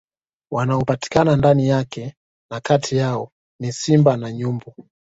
Wanaopatikana ndani yake na kati yao ni Simba na Nyumbu